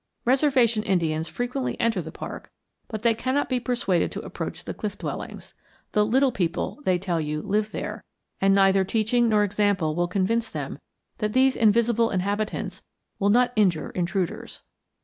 Reservation Indians frequently enter the park, but they cannot be persuaded to approach the cliff dwellings. The "little people," they tell you, live there, and neither teaching nor example will convince them that these invisible inhabitants will not injure intruders.